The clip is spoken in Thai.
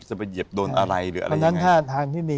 จะไปเหยียบโดนอะไรหรืออะไรยังไง